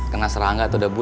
kena serangga atau debu